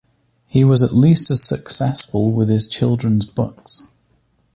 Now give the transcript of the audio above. He was at least as successful with his children's books.